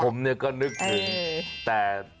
ผมเนี่ยก็นึกถึงแต่